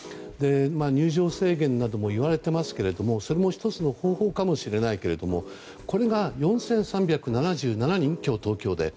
入場制限などもいわれていますがそれも１つの方法かもしれないけどこれが４３７７人今日、東京で。